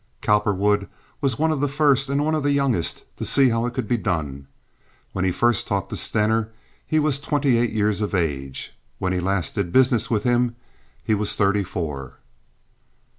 Cowperwood was one of the first and one of the youngest to see how it could be done. When he first talked to Stener he was twenty eight years of age. When he last did business with him he was thirty four.